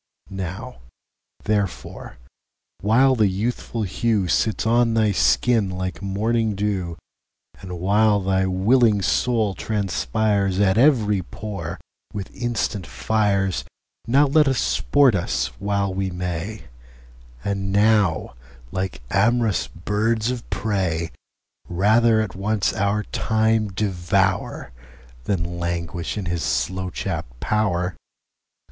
Now therefore, while the youthful hewSits on thy skin like morning [dew]And while thy willing Soul transpiresAt every pore with instant Fires, Now let us sport us while we may; And now, like am'rous birds of prey, Rather at once our Time devour, Than languish in his slow chapt pow'r.